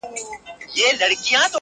له ډيره وخته مو لېږلي دي خوبو ته زړونه~